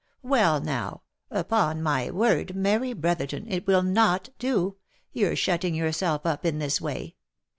Well now, upon my word, Mary Brotherton, it will not do, your shutting yourself up in this way.